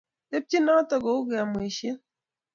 Tepche notok kou kamweishet